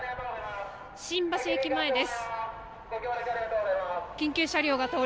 新橋駅前です。